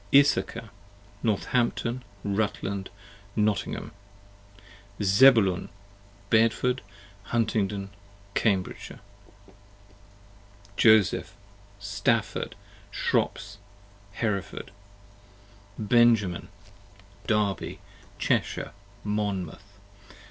Issachar, Northampton, Rutland, Nottgham. Zebulun, Bedford, Huntgn, Camb. Joseph, Stafford, Shrops, Heref. Benjamin, Derby, Cheshire, Monmouth.